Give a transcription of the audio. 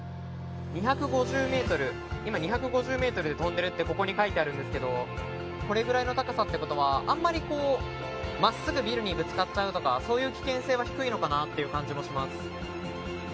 今２５０ｍで飛んでるってここに書いてあるんですけどこれぐらいの高さってことはあまり真っすぐビルにぶつかっちゃうとかそういう危険性は低いのかなという感じもします。